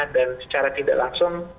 dan secara tidak langsung